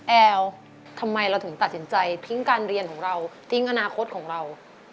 แอลทำไมเราถึงตัดสินใจทิ้งการเรียนของเราทิ้งอนาคตของเรา